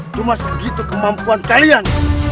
itu masih begitu kemampuan kalian